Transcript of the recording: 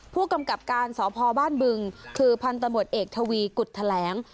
ผู้กำกับการสพบ้านบึงคือพันธมตเอกทวีกุฎแถลง